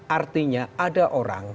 artinya ada orang